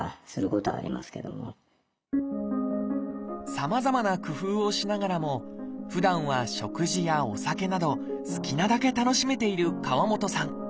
さまざまな工夫をしながらもふだんは食事やお酒など好きなだけ楽しめている川本さん。